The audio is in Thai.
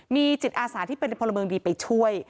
มีจิตอาสาที่เป็นพลเมืองดีไปช่วย